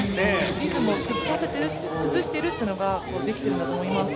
リズムを崩しているというのができているんだと思います。